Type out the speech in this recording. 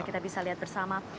kita bisa lihat bersama